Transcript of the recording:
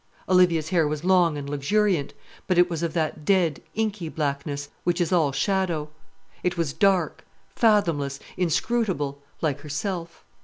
Olivia's hair was long and luxuriant; but it was of that dead, inky blackness, which is all shadow. It was dark, fathomless, inscrutable, like herself.